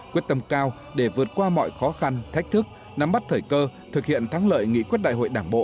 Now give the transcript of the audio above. quyết tâm cao để vượt qua mọi khó khăn thách thức nắm bắt thời cơ thực hiện thắng lợi nghị quyết đại hội đảng bộ